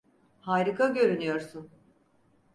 Harika görünüyorsun.